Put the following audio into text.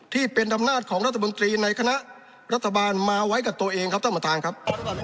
ที่เป็นอำนาจของรัฐบนตรีในคณะรัฐบาลมาไว้กับตัวเองครับ